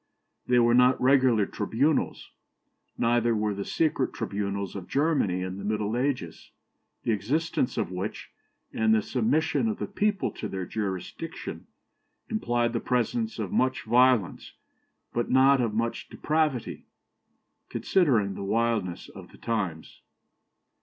They were not regular tribunals; neither were the secret tribunals of Germany in the Middle Ages, the existence of which, and the submission of the people to their jurisdiction, implied the presence of much violence, but not of much depravity, considering the wildness of the times.